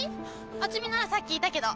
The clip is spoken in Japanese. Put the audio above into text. あつみならさっきいたけど。